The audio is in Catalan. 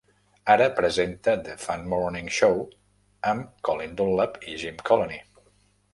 Ara presenta The Fan Morning Show amb Colin Dunlap i Jim Colony.